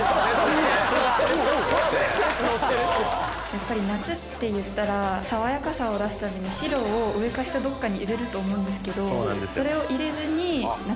やっぱり夏っていったら爽やかさを出すために白を上か下どっかに入れると思うんですけどそれを入れずに夏